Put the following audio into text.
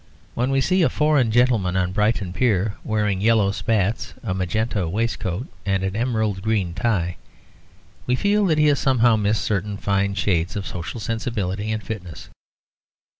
When we see a foreign gentleman on Brighton Pier wearing yellow spats, a magenta waistcoat, and an emerald green tie, we feel that he has somehow missed certain fine shades of social sensibility and fitness.